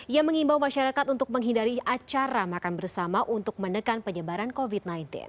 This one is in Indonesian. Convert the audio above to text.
ia mengimbau masyarakat untuk menghindari acara makan bersama untuk menekan penyebaran covid sembilan belas